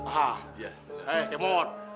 hah eh temen